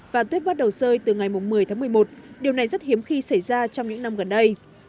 và tuyết bắt đầu rơi từ ngày một mươi tháng một mươi một điều này rất hiếm khi xảy ra trong những năm gần đây